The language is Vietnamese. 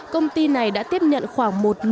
công ty này đã tiếp nhận một số nét đẹp của việt nam